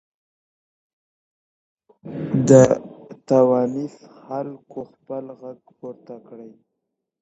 د ټونس خلګو خپل ږغ پورته کړ.